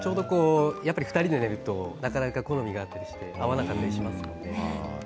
２人で寝るとなかなか好みが合わなかったりしますので。